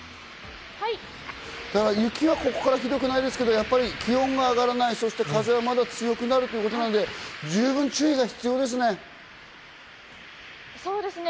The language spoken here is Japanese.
雪はここからひどくないですけれども気温が上がらない、そして風が強くなるということなので、そうですね。